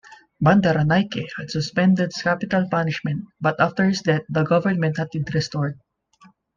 Bandaranaike had suspended capital punishment, but after his death the government had it restored.